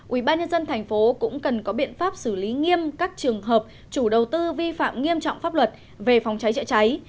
ubnd tp cũng cần có biện pháp xử lý nghiêm các trường hợp chủ đầu tư vi phạm nghiêm trọng pháp luật về phòng cháy chữa cháy